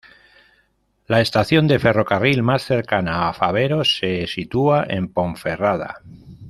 La estación de ferrocarril más cercana a Fabero se sitúa en Ponferrada.